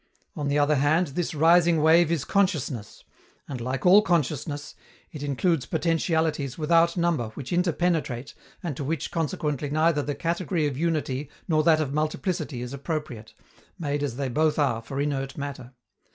On the other hand, this rising wave is consciousness, and, like all consciousness, it includes potentialities without number which interpenetrate and to which consequently neither the category of unity nor that of multiplicity is appropriate, made as they both are for inert matter.